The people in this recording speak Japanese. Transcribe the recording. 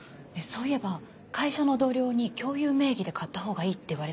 そういえば会社の同僚に共有名義で買った方がいいって言われたんですけど。